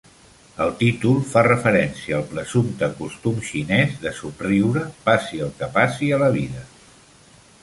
El títol fa referència al presumpte costum xinès de somriure, passi el que passi a la vida.